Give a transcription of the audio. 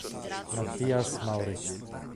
Matthias Mauritz